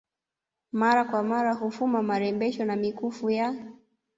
mara kwa mara hufuma marembesho na mikufu ya